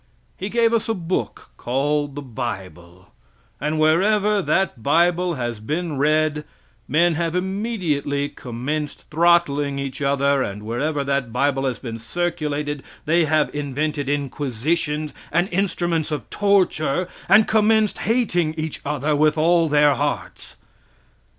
He gave us a book called the bible, and wherever that bible has been read men have immediately commenced throttling each other; and wherever that bible has been circulated they have invented inquisitions and instruments of torture, and commenced hating each other with all their hearts.